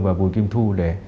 và bùi kim thu